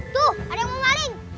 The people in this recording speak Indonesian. tuh ada yang mau maling